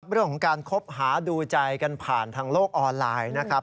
เรื่องของการคบหาดูใจกันผ่านทางโลกออนไลน์นะครับ